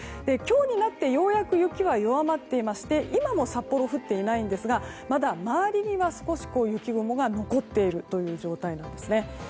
今日になって、ようやく雪は弱まっていまして今もう札幌降っていないんですがまだ周りには少し雪雲が残っている状態なんですね。